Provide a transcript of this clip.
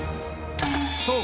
そう！